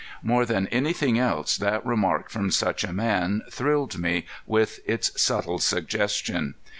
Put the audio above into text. More than anything else that remark from such a man thrilled me with its subtle suggestion.